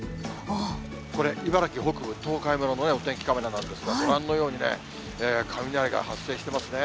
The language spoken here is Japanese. これ、茨城北部、東海村のお天気カメラなんですが、ご覧のようにね、雷が発生してますね。